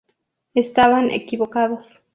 Estaban equivocados.